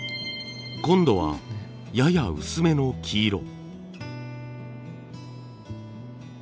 今度はやや薄めの黄色。